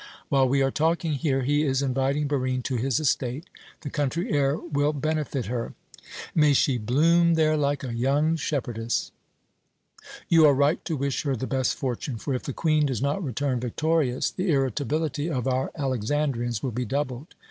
While we are talking here, he is inviting Barine to his estate. The country air will benefit her." "May she bloom there like a young shepherdess!" "You are right to wish her the best fortune; for if the Queen does not return victorious, the irritability of our Alexandrians will be doubled.